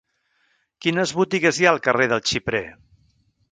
Quines botigues hi ha al carrer del Xiprer?